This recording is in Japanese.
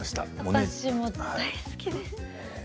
私も大好きです。